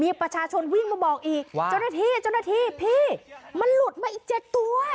มีประชาชนวิ่งมาบอกอีกว่าเจ้าหน้าที่เจ้าหน้าที่พี่มันหลุดมาอีก๗ตัว